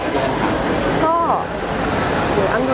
ก็จะดูแลตัวเองอย่างนี้